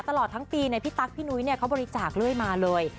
ตลอดทั้งปีพี่ตั๊กพี่นุ้ยเขาบริจาคเรื่อยมาเลย